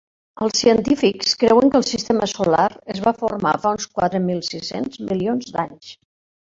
Els científics creuen que el Sistema Solar es va formar fa uns quatre mil sis-cents milions d'anys.